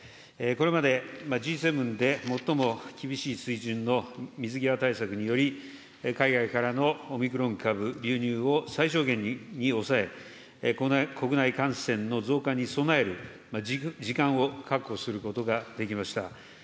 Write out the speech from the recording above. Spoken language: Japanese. これまで、Ｇ７で最も厳しい水準の水際対策により、海外からのオミクロン株流入を最小限に抑え、国内感染の増加に備える時間を確保することができました。